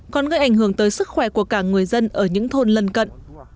còn gây ảnh hưởng tới sức khỏe của cả người dân ở những thôn lân cận